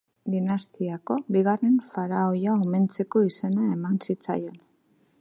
Dinastiako bigarren faraoia omentzeko izena eman zitzaion.